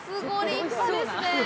立派ですね。